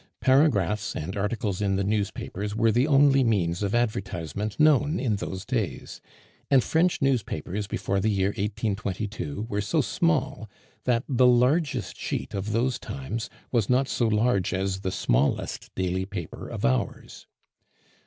Paragraphs and articles in the newspapers were the only means of advertisement known in those days; and French newspapers before the year 1822 were so small, that the largest sheet of those times was not so large as the smallest daily paper of ours.